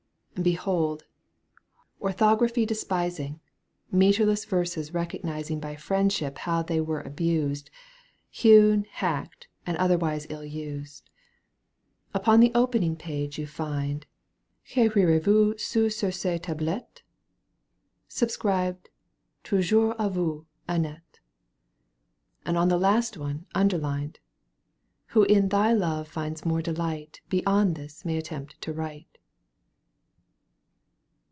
Behold ! orthography despisiQg, Metreless verses recognizing I By friendship how they were abused, I Hewn, hacked, and otherwise ill used. \ Upon the opening page ye find : Qu'ecrirez vcms sur ces tablettes i Subscribed, touj&wrs b, vousy Annette; And on the last one, underlined : Who infhy love^finds more delight илЯг w^' !^''^ JBeyond this may attempt to write.